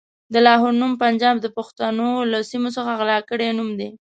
د لاهور نوم پنجاب د پښتنو له سيمو څخه غلا کړی نوم دی.